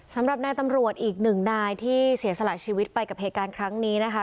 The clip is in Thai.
สำหรับนายตำรวจอีกหนึ่งนายที่เสียสละชีวิตไปกับเหตุการณ์ครั้งนี้นะคะ